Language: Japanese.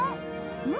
うん？